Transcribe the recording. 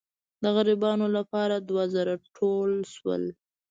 د غریبانو لپاره دوه زره ټول شول.